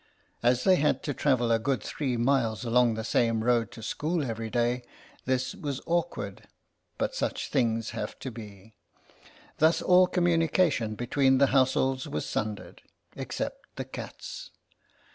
As they had to travel a good three miles along the same road to school every day, this was awkward, but such things have to be. Thus all com munication between the households was sundered. Except the cats.